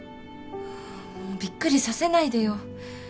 もうびっくりさせないでよ。